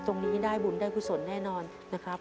ตรงนี้ได้บุญได้กุศลแน่นอนนะครับ